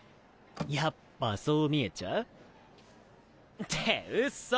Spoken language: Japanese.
やっぱそう見えちゃう？ってうそ。